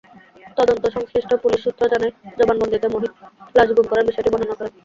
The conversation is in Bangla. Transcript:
তদন্ত-সংশ্লিষ্ট পুলিশ সূত্র জানায়, জবানবন্দিতে মুহিত লাশ গুম করার বিষয়টি বর্ণনা করেন।